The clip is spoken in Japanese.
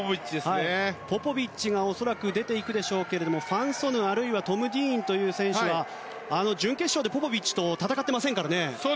ポポビッチが恐らく出て行くでしょうがファン・ソヌトム・ディーンという選手は準決勝でポポビッチと戦っていませんからね。